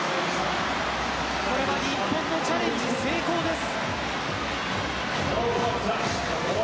これは日本のチャレンジ成功です。